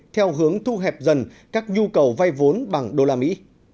theo hướng thu hẹp dần các nhu cầu vay vốn bằng đô la mỹ